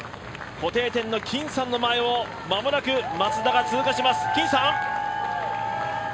固定点の金さんの前をまもなく松田が通過します。